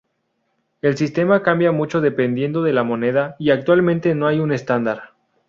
El sistema cambia mucho dependiendo de la moneda y actualmente no hay un estándar.